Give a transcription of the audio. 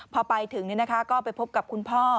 พอไปถึงก็ไปพบกับคุณพ่อ